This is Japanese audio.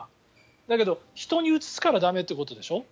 だけど人にうつすから駄目ってことでしょ？